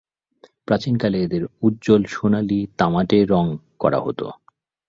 প্রাচীনকালে এদের উজ্জল সোনালি/তামাটে রঙ করা হত।